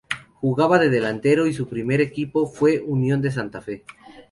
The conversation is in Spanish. Jugaba de delantero y su primer equipo fue Unión de Santa Fe.